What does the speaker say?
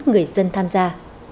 người dân tham gia